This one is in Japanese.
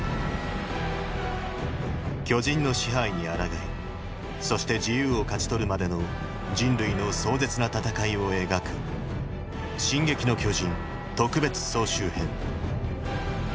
巨人の支配に抗いそして自由を勝ち取るまでの人類の壮絶な戦いを描く「進撃の巨人特別総集編」